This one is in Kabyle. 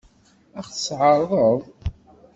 Ad ɣ-tt-tɛeṛḍeḍ?